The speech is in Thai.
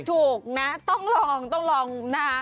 ถูกนะต้องลองต้องลองนะฮะ